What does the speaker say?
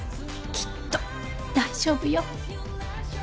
きっと大丈夫よ。